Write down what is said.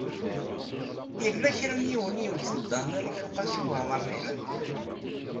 Yella kra n yiwen i yewten Dda Ɛmiiruc u Qasi Waɛmer n Ḥmed?